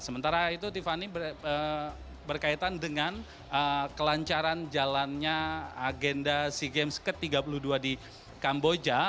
sementara itu tiffany berkaitan dengan kelancaran jalannya agenda sea games ke tiga puluh dua di kamboja